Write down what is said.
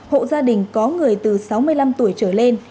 hộ gia đình có người từ sáu mươi năm tuổi trở lên